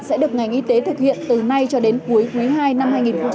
sẽ được ngành y tế thực hiện từ nay cho đến cuối cuối hai năm hai nghìn hai mươi hai